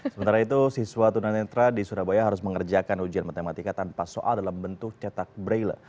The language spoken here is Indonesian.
sementara itu siswa tunanetra di surabaya harus mengerjakan ujian matematika tanpa soal dalam bentuk cetak braille